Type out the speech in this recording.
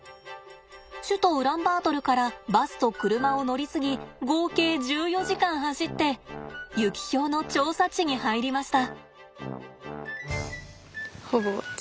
首都ウランバートルからバスと車を乗り継ぎ合計１４時間走ってユキヒョウの調査地に入りました。